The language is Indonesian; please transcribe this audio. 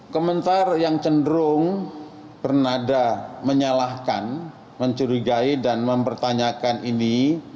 komentar yang cenderung bernada menyalahkan mencurigai dan mempertanyakan ini